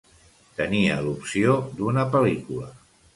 Tenia l'opció d'una pel·lícula.